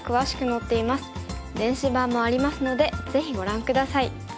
電子版もありますのでぜひご覧下さい。